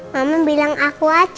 mama bilang aku aja